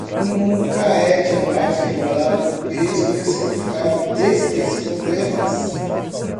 Nunca é demais lembrar o peso e o significado destes problemas